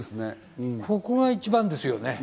ここが一番ですよね。